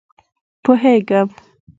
پوهېږم.